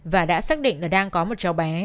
và đã xác định là đặng có một chóng xa bảo